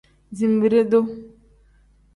Zinbiri-duu.